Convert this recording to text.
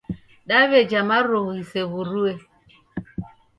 Daweja marugu ghisew'urue